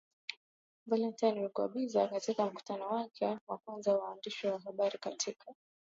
Valentine Rugwabiza katika mkutano wake wa kwanza na waandishi wa habari katika